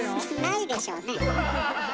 ないでしょうね。